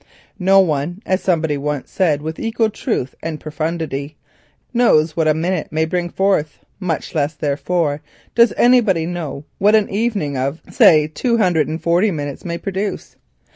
No one, as somebody once said with equal truth and profundity, knows what a minute may bring forth, much less, therefore, does anybody know what an evening of say two hundred and forty minutes may produce.